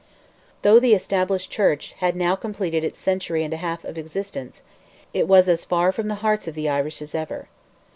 Though the Established Church had now completed its century and a half of existence, it was as far from the hearts of the Irish as ever.